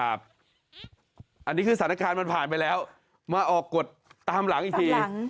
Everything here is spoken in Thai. อันนี้คือสถานการณ์มันผ่านไปแล้วมาออกกฎตามหลังอีกที